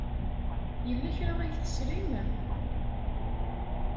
Yella kra ay tesrim?